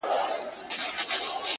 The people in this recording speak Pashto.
o چي ستا له سونډو نه خندا وړي څوك ـ